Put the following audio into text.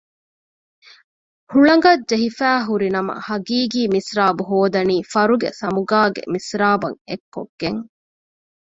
ހުޅަނގަށް ޖެހިފައި ހުރި ނަމަ ހަގީގީ މިސްރާބު ހޯދަނީ ފަރަގު ސަމުގާގެ މިސްރާބަށް އެއްކޮށްގެން